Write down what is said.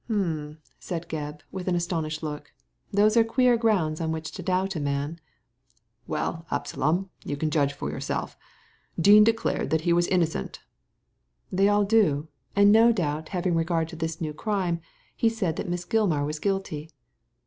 '* "H'm!" said Gebb, with an astonished look; ^ those are queer grounds on which to doubt a man." "Well, Absalom, you can judge for yourself. Dean declared that he was innocent" ^ They all do ; and no doubt, having regard to this new crime, he said that Miss Gilmar was guilty."